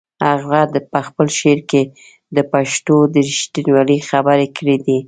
هغه په خپل شعر کې د پښتنو د رښتینولۍ خبرې کړې دي.